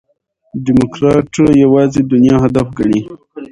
ډيموکراټ یوازي دنیا هدف ګڼي.